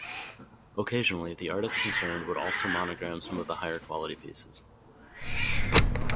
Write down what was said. Occasionally, the artist concerned would also monogram some of the higher quality pieces.